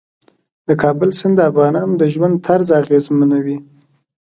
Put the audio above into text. د کابل سیند د افغانانو د ژوند طرز اغېزمنوي.